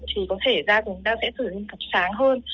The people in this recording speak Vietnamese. thì có thể da của chúng ta sẽ thử lên cặp sáng hơn